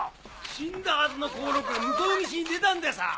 死んだはずの甲六が向こう岸に出たんでさぁ。